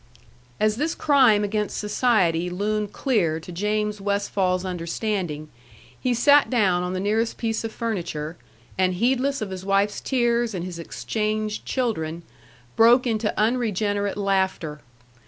As this crime against society loomed clear to James Westfall's understanding, he sat down on the nearest piece of furniture, and heedless of his wife's tears and his exchanged children, broke into unregenerate laughter.